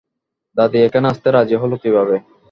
দাদি এখানে আসতে রাজি হলো কিভাবে?